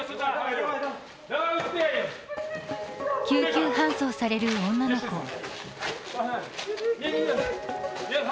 救急搬送される女の子。